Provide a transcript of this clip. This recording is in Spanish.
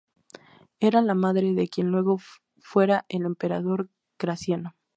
Era la madre de quien luego fuera el emperador Graciano.